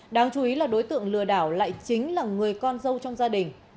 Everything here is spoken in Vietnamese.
đáng chú ý là đối tượng lừa đảo lại chính là người con dâu trong gia đình